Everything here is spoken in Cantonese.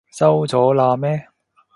收咗喇咩？